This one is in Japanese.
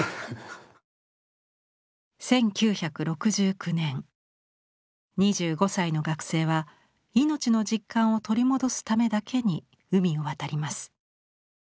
１９６９年２５歳の学生は命の実感を取り戻すためだけに海を渡ります。